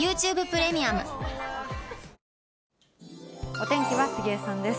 お天気は杉江さんです。